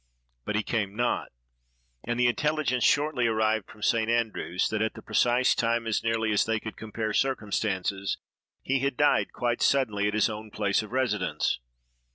But he came not; and the intelligence shortly arrived from St. Andrew's, that at that precise time, as nearly as they could compare circumstances, he had died quite suddenly at his own place of residence.